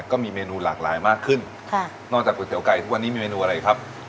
ก็มีเมนูหลากหลายมากขึ้นค่ะนอกจากก๋วไก่ทุกวันนี้มีเมนูอะไรครับ